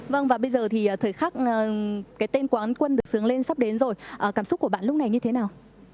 vâng và bây giờ thì thời khắc cái tên quán quân được sướng lên sắp đến rồi cảm xúc của bạn lúc này như thế nào